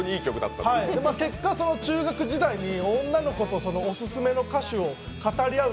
結果、中学時代に女の子とオススメの歌手を語り合う